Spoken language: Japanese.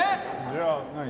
じゃあ何？